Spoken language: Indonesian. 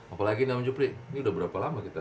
apalagi nih sama jupri ini udah berapa lama kita